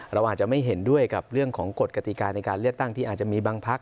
เราอาจจะไม่เห็นด้วยกับเรื่องของกฎกติกาในการเลือกตั้งที่อาจจะมีบางพัก